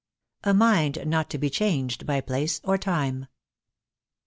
"A mind not to be changed by place or time."